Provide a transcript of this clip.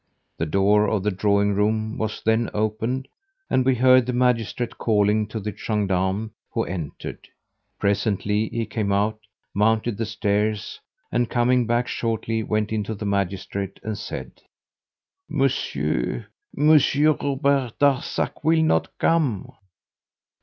The door of the drawing room was then opened and we heard the magistrate calling to the gendarme who entered. Presently he came out, mounted the stairs and, coming back shortly, went in to the magistrate and said: "Monsieur, Monsieur Robert Darzac will not come!"